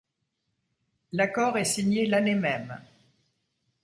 L'accord est signé l'année même.